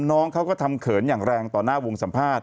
น้องเขาก็ทำเขินอย่างแรงต่อหน้าวงสัมภาษณ